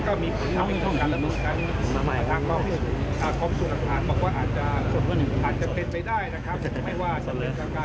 จะมีการตั้งคณะกรรมการสอบสวนเหตุที่เกิดขึ้น